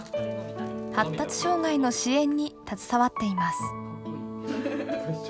発達障害の支援に携わっています。